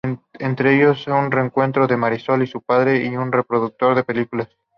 Entre ellos un reencuentro de Marisol y su padre y un reproductor de películas.